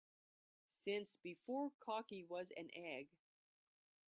Since before cocky was an egg.